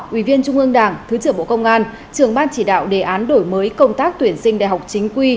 ủy viên trung ương đảng thứ trưởng bộ công an trưởng ban chỉ đạo đề án đổi mới công tác tuyển sinh đại học chính quy